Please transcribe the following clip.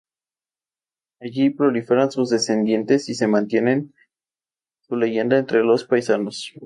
Allí proliferaron sus descendientes y se mantiene su leyenda entre los paisanos.